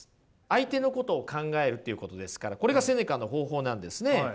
相手のことを考えるっていうことですからこれがセネカの方法なんですね。